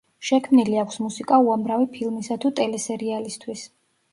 შექმნილი აქვს მუსიკა უამრავი ფილმისა თუ ტელესერიალისთვის.